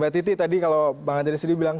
mbak titi tadi kalau bang andri sendiri bilang